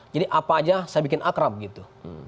jadi apa aja saya bikin akrab gitu